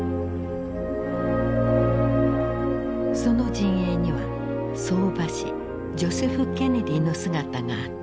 その陣営には相場師ジョセフ・ケネディの姿があった。